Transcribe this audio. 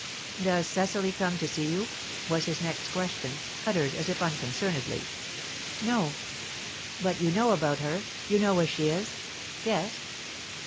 "Does Cecily come to see you?" was his next question, uttered as if unconcernedly. "No." "But you know about her? You know where she is?" "Yes."